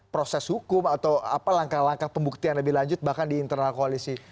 proses hukum atau apa langkah langkah pembuktian lebih lanjut bahkan di internal koalisi